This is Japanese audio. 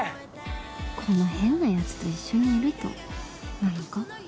この変なヤツと一緒にいるとなのか？